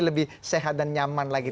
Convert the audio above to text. lebih sehat dan nyaman lagi